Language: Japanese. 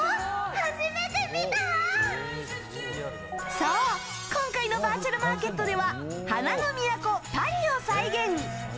そう、今回のバーチャルマーケットでは花の都パリを再現。